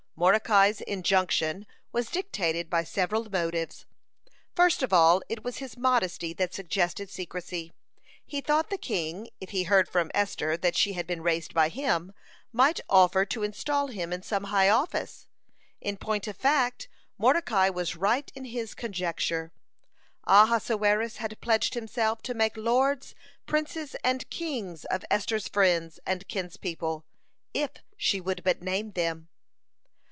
Mordecai's injunction was dictated by several motives. First of all it was his modesty that suggested secrecy. He thought the king, if he heard from Esther that she had been raised by him, might offer to install him in some high office. In point of fact, Mordecai was right in his conjecture; Ahasuerus had pledged himself to make lords, princes, and kings of Esther's friends and kinspeople, if she would but name them.